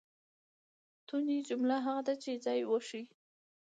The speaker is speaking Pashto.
توني؛ جمله هغه ده، چي ځای وښیي.